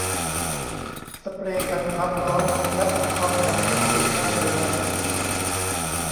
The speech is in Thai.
สเปรย์กันความร้อน และอุปกรณ์ทำผม ติดบ้านเอาไว้